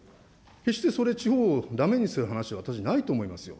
決してそれ、地方をだめにする話じゃ私、ないと思いますよ。